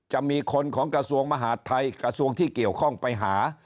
จะมีคนของกระทรวงมหาดไทยกระทรวงที่เกี่ยวข้องไปหา